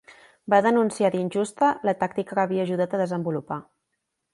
Va denunciar d'injusta la tàctica que havia ajudat a desenvolupar.